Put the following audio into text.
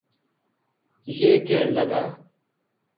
یہ کہن لگا